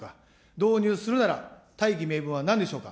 導入するなら、大義名分はなんでしょうか。